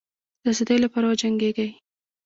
د آزادی لپاره وجنګېږی.